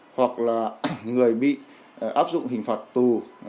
hoặc là người bị áp dụng hình phạt tù